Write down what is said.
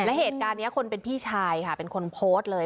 และเหตุการณ์นี้คนเป็นพี่ชายค่ะเป็นคนโพสต์เลย